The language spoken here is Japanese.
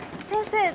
先生！